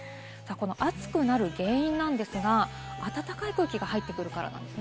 暑くなる原因なんですが、暖かい空気が入ってくるからです。